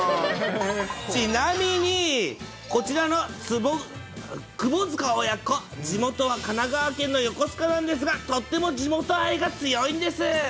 ちなみに、こちらの窪塚親子、地元は神奈川県の横須賀なんですが、とっても地元愛が強いんです。